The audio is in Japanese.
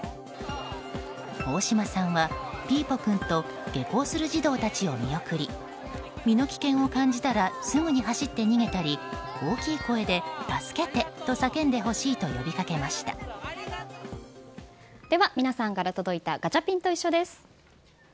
大島さんはピーポくんと下校する児童たちを見送り身の危険を感じたらすぐに走って逃げたり大きい声で助けてと叫んでほしいとでは、皆さんから届いたガチャピンといっしょ！です。